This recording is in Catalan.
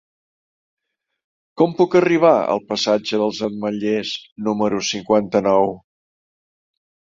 Com puc arribar al passatge dels Ametllers número cinquanta-nou?